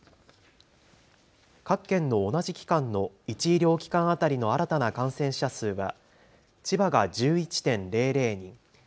各県の同じ期間の１医療機関当たりの新たな感染者数は。